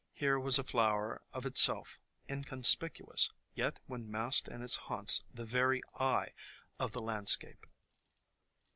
Here was a flower of itself inconspicu ous, yet when massed in its haunts the very eye of the landscape.